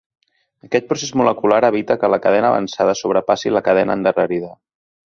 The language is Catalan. Aquest procés molecular evita que la cadena avançada sobrepassi la cadena endarrerida.